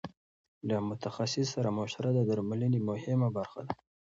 له متخصص سره مشوره د درملنې مهمه برخه ده.